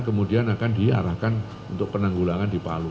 kemudian akan diarahkan untuk penanggulangan di palu